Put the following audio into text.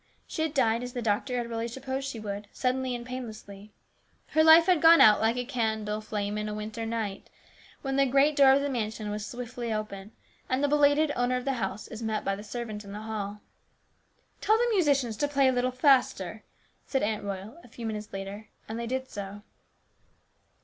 She had died, as the doctor had really supposed she would, suddenly and painlessly. Her life had gone out like a candle flame in a winter night, when the great door of the mansion is swiftly opened and the belated owner of the house is met by the servant in the hall. " Tell the musicians to play a little faster," said Aunt Royal, a few minutes later, and they did so.